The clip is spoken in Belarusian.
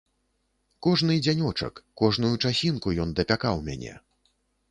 Кожны дзянёчак, кожную часінку ён дапякаў мяне.